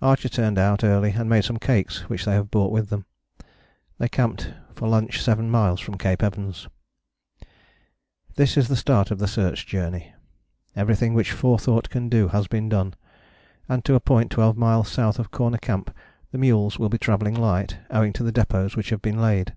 Archer turned out early and made some cakes which they have brought with them. They camped for lunch seven miles from Cape Evans. [Illustration: THE MULE PARTY LEAVES CAPE EVANS October 29, 1912] This is the start of the Search Journey. Everything which forethought can do has been done, and to a point twelve miles south of Corner Camp the mules will be travelling light owing to the depôts which have been laid.